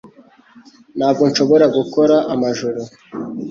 Ntabwo nshobora gukora amajoro